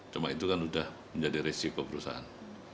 cuma itu kan sudah menjadi resiko perusahaan